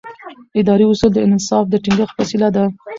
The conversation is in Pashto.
اداري اصول د انصاف د ټینګښت وسیله ده.